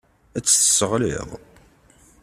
Ad tt-tesseɣliḍ.